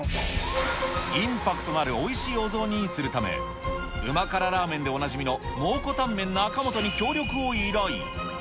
インパクトのあるおいしいお雑煮にするため、うま辛ラーメンでおなじみの蒙古タンメン中本に協力を依頼。